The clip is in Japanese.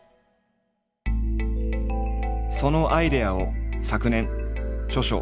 そのアイデアを昨年著書